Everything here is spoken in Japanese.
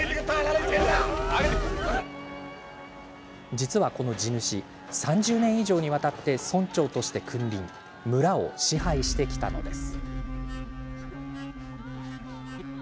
実は、この地主３０年以上にわたって村長として君臨村を支配してきたのです。